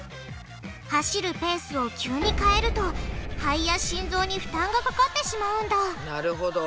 走るペースを急に変えると肺や心臓に負担がかかってしまうんだなるほど。